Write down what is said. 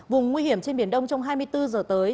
vùng nguy hiểm trên biển đông trong hai mươi bốn giờ tới